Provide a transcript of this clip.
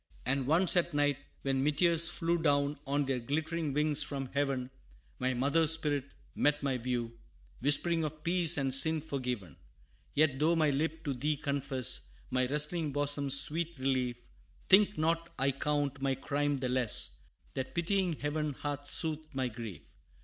And once at night when meteors flew Down on their glittering wings from heaven, My mother's spirit met my view, Whispering of peace and sin forgiven! Yet, though my lip to thee confess, My wrestling bosom's sweet relief, Think not I count my crime the less, That pitying Heaven hath soothed my grief.